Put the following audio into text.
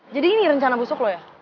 jadi ini rencana busuk lo ya